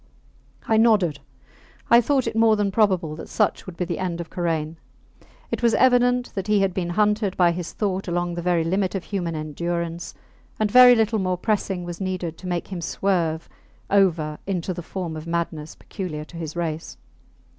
I nodded. I thought it more than probable that such would be the end of Karain. It was evident that he had been hunted by his thought along the very limit of human endurance, and very little more pressing was needed to make him swerve over into the form of madness peculiar to his race.